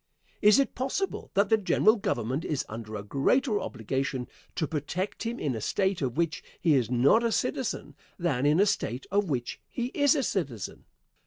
Is it possible that the General Government is under a greater obligation to protect him in a State of which he is not a citizen than in a State of which he is a citizen?